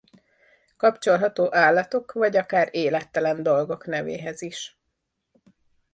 Kapcsolható állatok vagy akár élettelen dolgok nevéhez is.